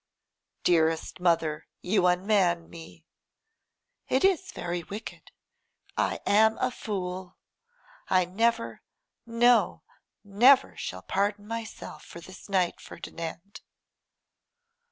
'Dearest mother, you unman me.' 'It is very wicked. I am a fool. I never, no! never shall pardon myself for this night, Ferdinand.